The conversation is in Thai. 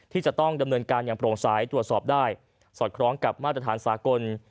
ที่จะต้องดำเนินการอย่างโปร่งสายตรวจสอบได้สอดคล้องกับมาตรฐานสากล